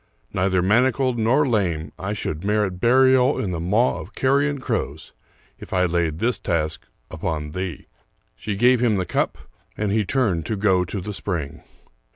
Neither manacled nor lame, I should merit burial in the maw of carrion crows if I laid this task upon thee." She gave him the cup, and he turned to go to the spring.